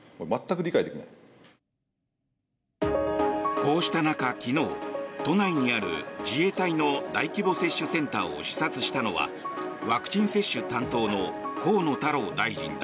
こうした中、昨日都内にある自衛隊の大規模接種センターを視察したのはワクチン接種担当の河野太郎大臣だ。